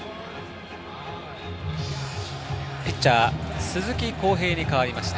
ピッチャー鈴木康平に代わりました。